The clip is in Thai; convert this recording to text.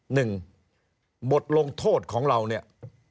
หนึ่งบทลงโทษของเราเนี่ย